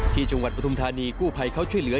จังหวัดปฐุมธานีกู้ภัยเขาช่วยเหลือ